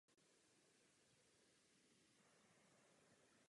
Protiútok izraelské armády proti Egyptu pronikl až na západní břeh Suezského průplavu.